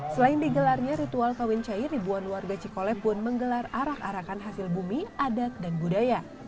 selain digelarnya ritual kawincai ribuan warga cikolilembang menggelar arak arakan hasil bumi adat dan budaya